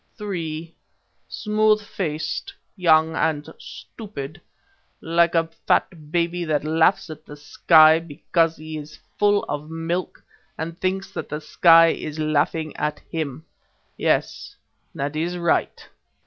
Three. Smooth faced, young and stupid, like a fat baby that laughs at the sky because he is full of milk, and thinks that the sky is laughing at him. Yes, that is right.